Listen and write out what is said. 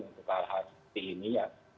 untuk hal hal seperti ini ya